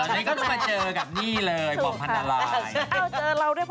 นี่ก็ต้องมาเจอกับนี่เลยหมอมพันธาลาย